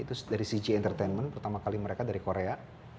itu dari cg entertainment pertama kali mereka dari korea